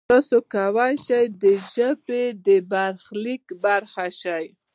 تاسو کولای شئ د ژبې د برخلیک برخه شئ.